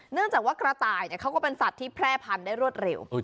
เนื่องจากว่ากระต่ายเขาก็เป็นสัตว์ที่แพร่พันธุ์ได้รวดเร็ว